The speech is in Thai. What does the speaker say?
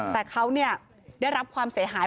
แต่เขาได้รับความเสียหาย